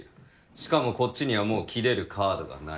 しかもこっちにはもう切れるカードがない。